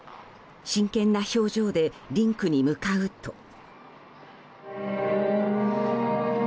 真剣な表情でリンクに向かうと。